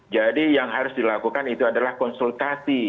jadi yang harus dilakukan itu adalah konsultasi